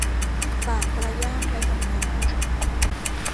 ฝากปลาย่างไว้กับแมว